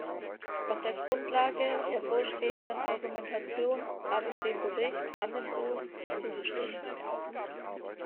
Auf der Grundlage der vorstehenden Argumentation habe ich dem Bericht van den Bos zugestimmt.